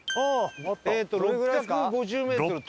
えっと６５０メートル遠っ！